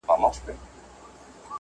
بلکي دوی اړ دي چي